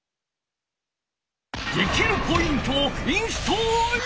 できるポイントをインストール！